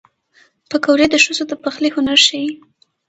پکورې د ښځو د پخلي هنر ښيي